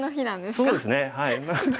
そうですねはい。